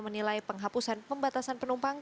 menilai penghapusan pembatasan penumpang